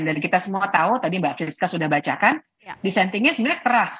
dan kita semua tahu tadi mbak fisca sudah bacakan dissentingnya sebenarnya keras